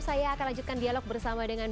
saya akan lanjutkan dialog bersama dengan